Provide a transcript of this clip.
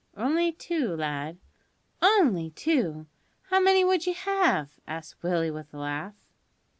"Only two, lad." "Only two! How many would you have?" asked Willie with a laugh.